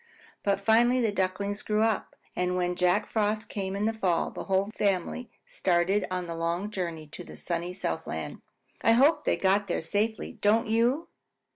But finally the Ducklings grew up, and when Jack Frost came in the fall, the whole family started on the long journey to the sunny Southland. I hope they got there safely, don't you?